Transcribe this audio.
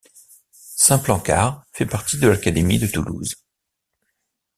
Saint-Plancard fait partie de l'académie de Toulouse.